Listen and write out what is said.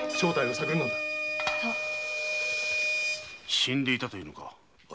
死んでいたというのか。